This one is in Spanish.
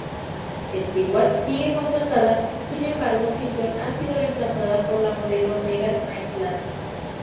Stewart sigue contratada, sin embargo, Hilton ha sido reemplazada por la modelo Megan Maitland.